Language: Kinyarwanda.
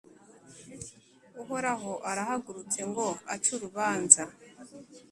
Uhoraho arahagurutse ngo ace urubanza,